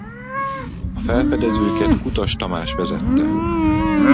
A felfedezőket Kutas Tamás vezette.